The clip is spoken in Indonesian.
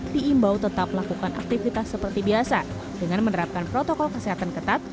diimbau tetap melakukan aktivitas seperti biasa dengan menerapkan protokol kesehatan ketat